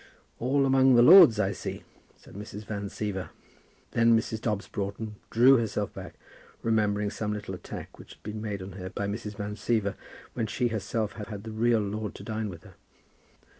"All among the lords, I see," said Mrs. Van Siever. Then Mrs. Dobbs Broughton drew herself back, remembering some little attack which had been made on her by Mrs. Van Siever when she herself had had the real lord to dine with her.